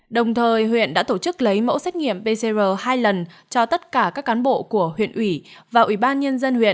đồng thời huyện đã tổ chức lấy mẫu xét nghiệm pcr hai lần cho tất cả các cán bộ của huyện ủy và ủy ban nhân dân huyện